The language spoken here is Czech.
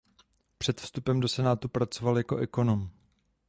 Před vstupem do senátu pracoval jako ekonom.